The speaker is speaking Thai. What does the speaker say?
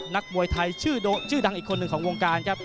นักมวยไทยชื่อดังอีกคนหนึ่งของวงการครับ